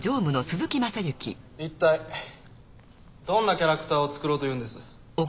いったいどんなキャラクターを作ろうというんです？